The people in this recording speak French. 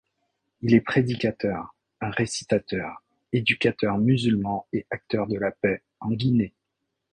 Il est prédicateur, un récitateur, éducateur musulman et acteur de la paix en Guinée.